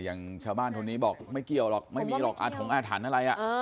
อย่างชาวบ้านคนนี้บอกไม่เกี่ยวหรอกไม่มีหรอกอาถงอาถรรพ์อะไร